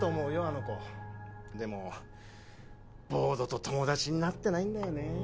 あの子でもボードと友達になってないんだよね